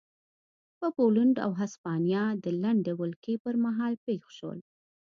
پر پولنډ او هسپانیا د لنډې ولکې پرمهال پېښ شول.